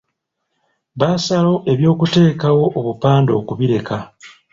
Baasalawo eby’okuteekawo obupande okubireka.